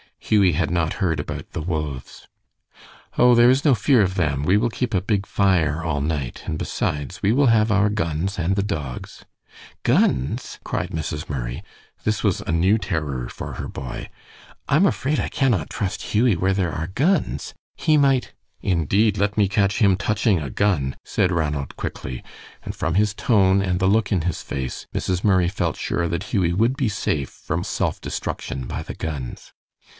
Hughie had not heard about the wolves. "Oh, there is no fear of them. We will keep a big fire all night, and besides, we will have our guns and the dogs." "Guns!" cried Mrs. Murray. This was a new terror for her boy. "I'm afraid I cannot trust Hughie where there are guns. He might " "Indeed, let me catch him touching a gun!" said Ranald, quickly, and from his tone and the look in his face, Mrs. Murray felt sure that Hughie would be safe from self destruction by the guns.